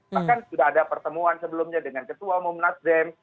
bahkan sudah ada pertemuan sebelumnya dengan ketua umum nasdem